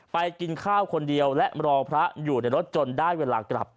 กินข้าวคนเดียวและรอพระอยู่ในรถจนได้เวลากลับ